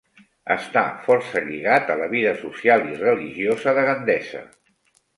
Està força lligat a la vida social i religiosa de Gandesa.